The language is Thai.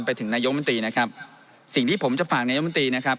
ไปถึงนายกมนตรีนะครับสิ่งที่ผมจะฝากนายกมนตรีนะครับ